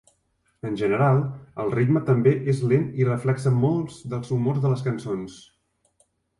En general el ritme també és lent i reflexa molts dels humors de les cançons.